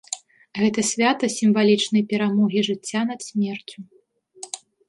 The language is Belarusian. Гэта свята сімвалічнай перамогі жыцця над смерцю.